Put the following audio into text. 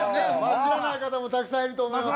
知らない方もたくさんいると思います。